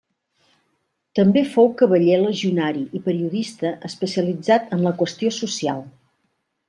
També fou Cavaller Legionari i periodista especialitzat en la qüestió social.